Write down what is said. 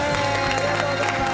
ありがとうございます。